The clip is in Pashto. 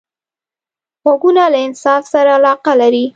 غوږونه له انصاف سره علاقه لري